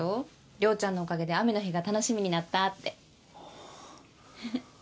「りょうちゃんのおかげで雨の日が楽しみになった」って。